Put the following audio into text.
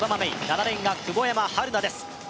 ７レーンが久保山晴菜です